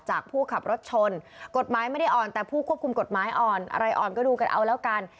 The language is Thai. ผู้ขับรถชนกฎหมายไม่ได้อ่อนแต่ผู้ควบคุมกฎหมายอ่อนอะไรอ่อนก็ดูกันเอาแล้วกัน